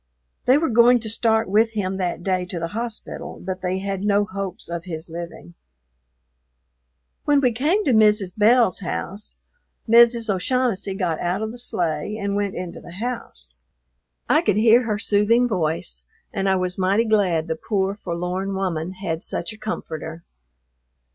They were going to start with him that day to the hospital, but they had no hopes of his living. When we came to Mrs. Belle's house, Mrs. O'Shaughnessy got out of the sleigh and went into the house. I could hear her soothing voice, and I was mighty glad the poor, forlorn woman had such a comforter.